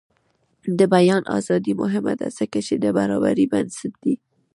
د بیان ازادي مهمه ده ځکه چې د برابرۍ بنسټ دی.